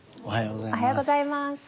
おはようございます。